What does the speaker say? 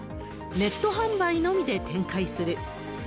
ネット販売のみで展開する。